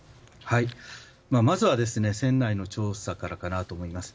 まずは船内の調査からかなと思います。